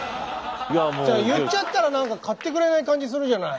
言っちゃったら何か買ってくれない感じするじゃない。